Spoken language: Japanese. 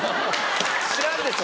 知らんでしょ